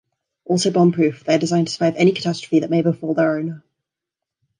Also bomb-proof, they are designed to survive any catastrophe that may befall their owner.